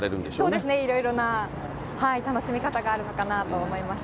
そうですね、いろいろな楽しみ方があるのかなと思います。